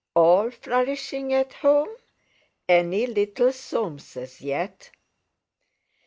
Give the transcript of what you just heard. All flourishing at home? Any little Soameses yet?"